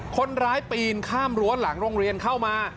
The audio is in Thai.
คนร้ายปีนข้ามรั้วหลังโรงเรียนเข้ามา